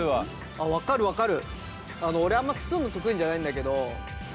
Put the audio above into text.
あ分かる分かる！